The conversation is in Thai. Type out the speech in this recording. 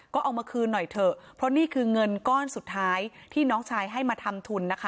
ก็เอามาคืนหน่อยเถอะเพราะนี่คือเงินก้อนสุดท้ายที่น้องชายให้มาทำทุนนะคะ